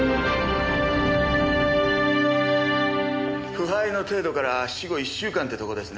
腐敗の程度から死後一週間ってとこですねえ。